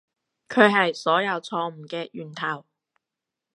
佢係所有錯誤嘅源頭